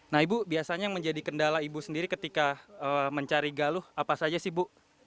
nah ibu biasanya yang menjadi kendala ibu sendiri ketika mencari galuh apa saja sih ibu